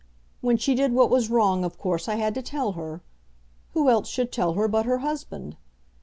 When she did what was wrong, of course I had to tell her. Who else should tell her but her husband?